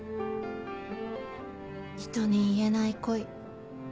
人に言えない恋